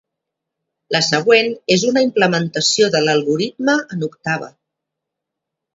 La següent és una implementació de l'algoritme en Octave.